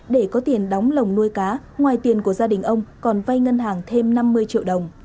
để có tiền đóng lồng nuôi cá ngoài tiền của gia đình ông còn vay ngân hàng thêm năm mươi triệu đồng